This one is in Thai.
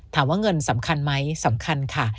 ถามว่าเงินสำคัญไหมสำคัญค่ะ